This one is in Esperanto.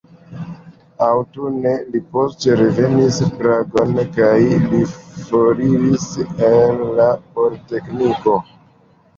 Aŭtune li poste revenis Pragon kaj li foriris el la politekniko.